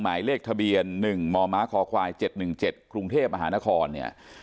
หมายเลขทะเบียน๑มมคค๗๑๗กรุงเทพฯอาหารคล